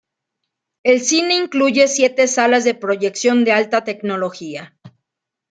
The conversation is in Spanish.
El cine incluye siete salas de proyección de alta tecnología.